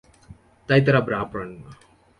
তাই তারা ব্রা পড়েন না।